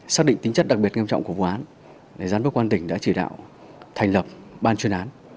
xác định tính chất đặc biệt nghiêm trọng của vụ án giám đốc quan tỉnh đã chỉ đạo thành lập ban chuyên án